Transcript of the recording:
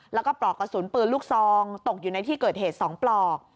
แล้วก็ปลอกกระสุนปืนลูกซองตกอยู่ในที่เกิดเหตุ๒ปลอก